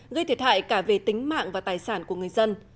gây thiệt hại cả về tính mạng và tài sản của người dân